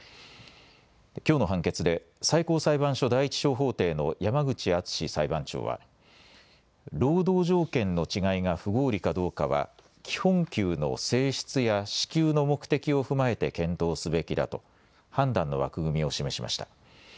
きょうの判決で最高裁判所第１小法廷の山口厚裁判長は労働条件の違いが不合理かどうかは基本給の性質や支給の目的を踏まえて検討すべきだと判断の枠組みを示しました。